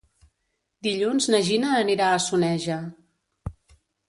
Dilluns na Gina anirà a Soneja.